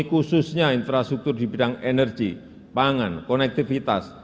khususnya infrastruktur di bidang energi pangan konektivitas